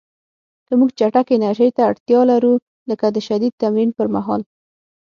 که موږ چټکې انرژۍ ته اړتیا لرو، لکه د شدید تمرین پر مهال